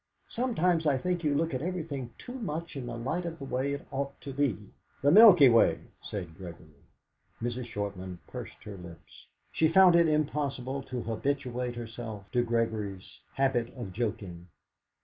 Sometimes I think you look at everything too much in the light of the way it ought to be!" "The Milky Way," said Gregory. Mrs. Shortman pursed her lips; she found it impossible to habituate herself to Gregory's habit of joking.